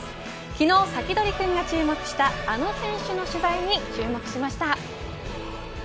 昨日、サキドリくんが注目したあの選手の試合注目しました。